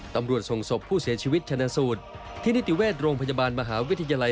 ตำรวจส่งศพผู้เสียชีวิตชนะสูตรที่นิติเวชโรงพยาบาลมหาวิทยาลัย